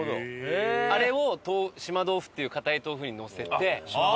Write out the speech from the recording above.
あれを島豆腐っていう硬い豆腐にのせて。